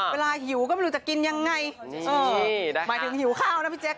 เวลาหิวก็ไม่รู้จะกินยังไงนี่นะคะหมายถึงหิวข้าวนะพี่แจ๊ค